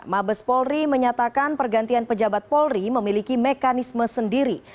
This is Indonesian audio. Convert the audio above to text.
mabes polri menyatakan pergantian pejabat polri memiliki mekanisme sendiri